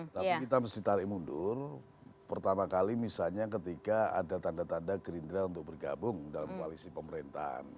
tapi kita mesti tarik mundur pertama kali misalnya ketika ada tanda tanda gerindra untuk bergabung dalam koalisi pemerintahan